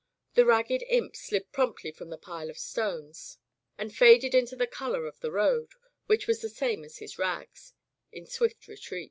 The ragged imp slid prompdy from the pile of stones and faded into the color of the road, which was the same as his rags, in swift retreat.